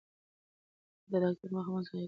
د ډاکټر وخت مه ضایع کوئ.